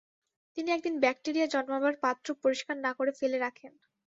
তিনি একদিন ব্যাকটেরিয়া জন্মাবার পাত্র পরিষ্কার না করে ফেলে রাখেন।